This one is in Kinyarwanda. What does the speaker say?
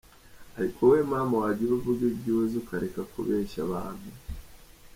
Ariko wowe mmm wagiye uvuga ibyo uzi ukareka kubeshya abantu.